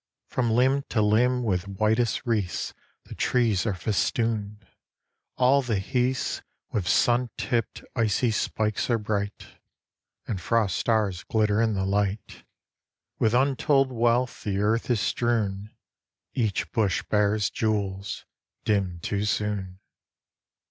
From limb to limb with whitest wreaths The trees are festooned. All the heaths With sun tipped, icy spikes are bright; And frost stars glitter in the light. With untold wealth the earth is strewn, Each bush bears jewels, dimmed too soon.